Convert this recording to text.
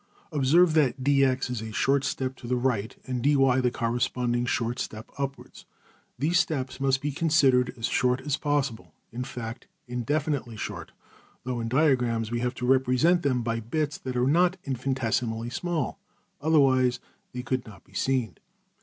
'' Observe that $dx$ is a short step to the right, and $dy$ the corresponding short step upwards. These steps must be considered as short as possible in fact indefinitely short, though in diagrams we have to represent them by bits that are not infinitesimally small, otherwise they could not be seen.